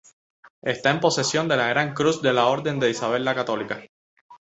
Está en posesión de la gran cruz de la Orden de Isabel la Católica.